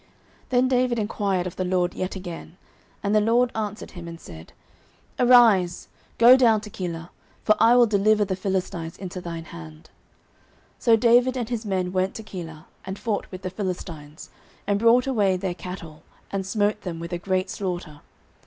09:023:004 Then David enquired of the LORD yet again. And the LORD answered him and said, Arise, go down to Keilah; for I will deliver the Philistines into thine hand. 09:023:005 So David and his men went to Keilah, and fought with the Philistines, and brought away their cattle, and smote them with a great slaughter.